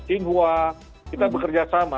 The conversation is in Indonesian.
singhua kita bekerja sama